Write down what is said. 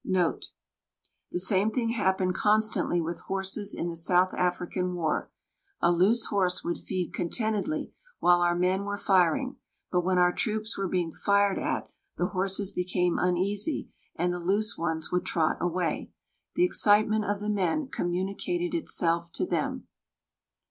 The same thing happened constantly with horses in the South African War. A loose horse would feed contentedly while our men were firing, but when our troops were being fired at the horses became uneasy, and the loose ones would trot away. The excitement of the men communicated itself to them.